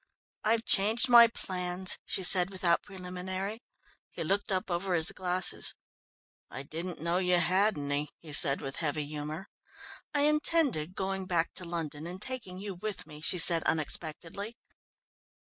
"I've changed my plans," she said without preliminary. He looked up over his glasses. "I didn't know you had any," he said with heavy humour. "I intended going back to London and taking you with me," she said unexpectedly.